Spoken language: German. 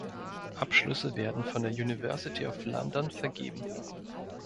Abschlüsse werden von der University of London vergeben.